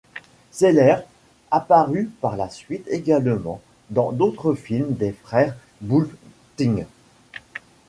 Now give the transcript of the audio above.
Sellers apparut par la suite également dans d’autres films des frères Boulting.